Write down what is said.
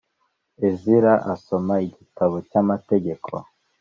Ezira asoma igitabo cy amategeko